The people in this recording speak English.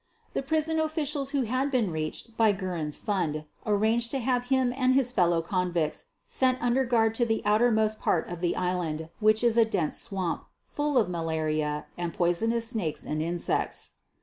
The prison officials who had been reached by j Guerin 's fund arranged to have him and his fellow convicts sent under guard to the outermost part of the Island, which is a dense swamp, full of malaria and poisonous snakes and insects.